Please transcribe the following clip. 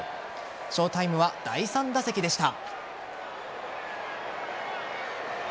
ショータイムは第３打席でした。